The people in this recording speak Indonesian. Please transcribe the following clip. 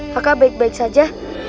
kakak baik baik saja